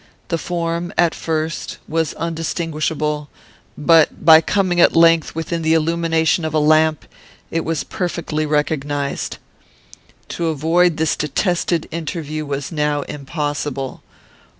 The form, at first, was undistinguishable, but, by coming, at length, within the illumination of a lamp, it was perfectly recognised. "To avoid this detested interview was now impossible.